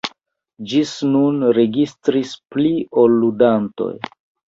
Ĝis nun registris pli ol ludantoj.